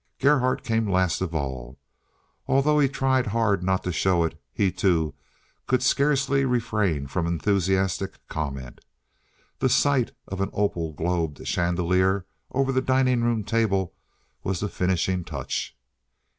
Gerhardt came last of all. Although he tried hard not to show it, he, too, could scarcely refrain from enthusiastic comment. The sight of an opal globed chandelier over the dining room table was the finishing touch.